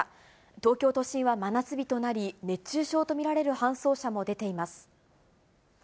東京都心は真夏日となり、熱中症と見られる搬送者も出ています。